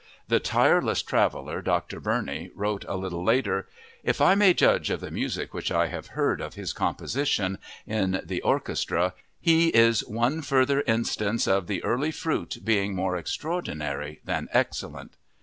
The tireless traveler, Dr. Burney, wrote a little later: "If I may judge of the music which I have heard of his composition, in the orchestra, he is one further instance of the early fruit being more extraordinary than excellent."